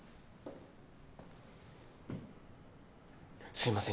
すいません